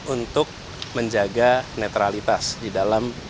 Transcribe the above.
untuk menjaga netralitas di dalam